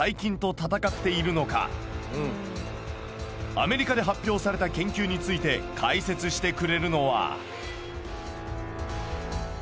アメリカで発表された研究について解説してくれるのは。